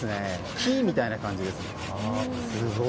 木みたいな感じです。